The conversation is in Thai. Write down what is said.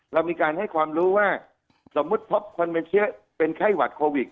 แต่ก็มีการให้ความรู้ว่าสมมติพบคนมีไข้หวัดโควิก